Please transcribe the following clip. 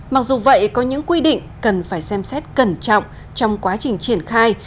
mặc dù vậy có những quy định cần phải xem xét cẩn trọng trong quá trình triển khai